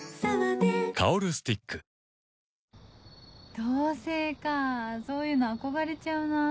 同棲かそういうの憧れちゃうな。